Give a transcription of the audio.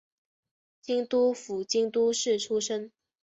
京都府京都市出身。